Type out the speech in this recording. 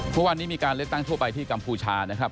เมื่อวานนี้มีการเลือกตั้งทั่วไปที่กัมพูชานะครับ